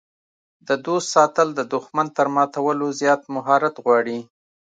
د دوست ساتل د دښمن تر ماتولو زیات مهارت غواړي.